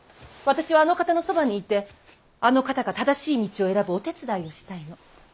私はあの方のそばにいてあの方が正しい道を選ぶお手伝いをしたいの。